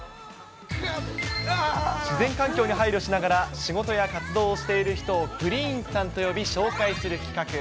自然環境に配慮しながら仕事や活動をしている人をグリーンさんと呼び、紹介する企画。